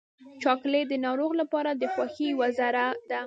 چاکلېټ د ناروغ لپاره د خوښۍ یوه ذره ده.